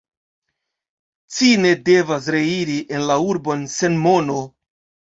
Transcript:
Ci ne devas reiri en la urbon sen mono.